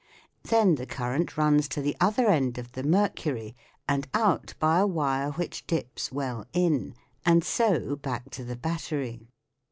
Then the current runs to the other end of the mercury, and out by a wire which dips well in, and so back to the battery.